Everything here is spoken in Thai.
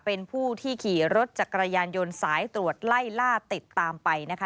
เป็นผู้ที่ขี่รถจักรยานยนต์สายตรวจไล่ล่าติดตามไปนะคะ